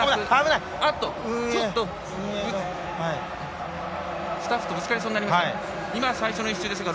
ちょっとスタッフとぶつかりそうになりましたが。